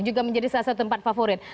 juga menjadi salah satu tempat favorit